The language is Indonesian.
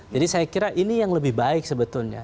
jadi saya kira ini yang lebih baik sebetulnya